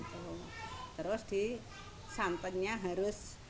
terus di santannya harus per tiga kilo itu paling enggak satu putir kelapa